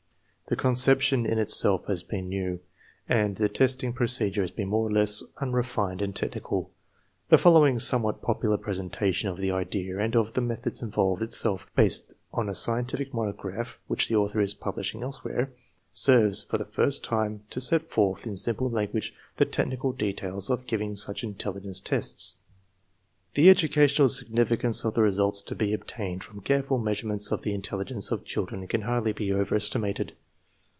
The conception in itself has been new, and the testing procedure has been more or less unrefined and technical. The following somewhat popular presentation of the idea and of the meth ods involved, itself based on a scientific monograph which the author is publishing elsewhere, serves for the first time to set forth in simple language the technical details of giving such intelligence tests. The educational significance of the results to be obtained from careful measurements of the intelligence of children can hardly be overestimated.